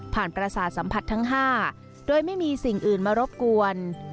ผ่านปราศาสมผัสทั้งห้าโดยไม่มีสิ่งอื่นมารบกวน